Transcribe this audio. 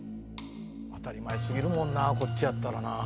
当たり前過ぎるもんなぁこっちやったらなぁ。